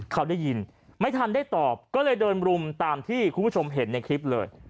เขาได้ยินไม่ทันได้ตอบก็เลยเดินรุมตามที่คุณผู้ชมเห็นในคลิปเลย